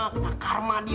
kena karma dia